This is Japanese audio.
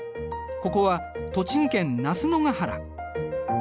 ここは栃木県那須野が原。